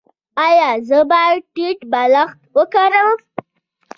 ایا زه باید ټیټ بالښت وکاروم؟